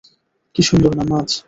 কী সুন্দর নামায!